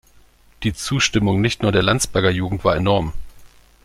Die Zustimmung nicht nur der Landsberger Jugend war enorm.